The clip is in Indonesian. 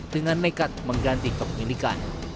dengan nekat mengganti kepemilikan